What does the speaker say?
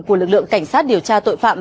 của lực lượng cảnh sát điều tra tội phạm